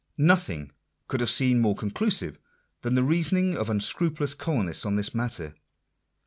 Nothing could have seemed more conclusive than the reason ing of unscrupulous colonists on this matter.